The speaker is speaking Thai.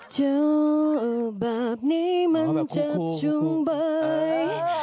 เจ้าแบบนี้มันจะจุ้งเบย